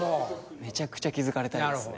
めちゃくちゃ気づかれたいですね。